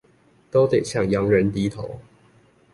都得向洋人低頭